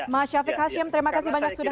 mas syafiq hashim terima kasih banyak sudah